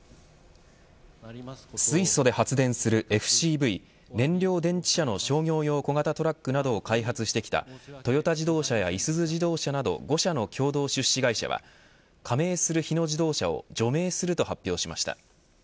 水素で発電するＦＣＶ燃料電池車の商業用小型トラックなどを開発してきたトヨタ自動車やいすゞ自動車など５社の共同出資会社は加盟する日野自動車を除名すると発表しました。